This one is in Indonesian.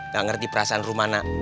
gak ngerti perasaan rumana